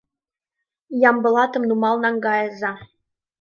— Ямблатым нумал наҥгайыза!